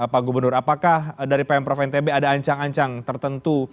pak gubernur apakah dari pemprov ntb ada ancang ancang tertentu